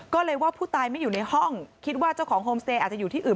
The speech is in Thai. ก็เลยว่าผู้ตายไม่อยู่ในห้องคิดว่าเจ้าของโฮมสเตย์อาจจะอยู่ที่อื่น